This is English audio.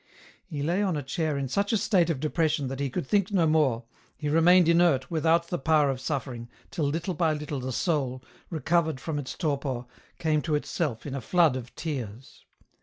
He lay on a chair in such a state of depression that he could think no more, he remained inert without the power of suffering, till little by little the soul, recovered from its torpor, came to itself in a flood of tears.